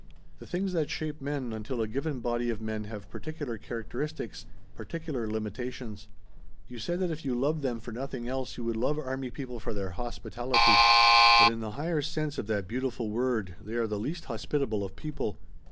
The things that shape men, until a given body of men have particular characteristics, particular limitations. You said that if you loved them for nothing else you would love army people for their hospitality. But in the higher sense of that beautiful word they are the least hospitable of people.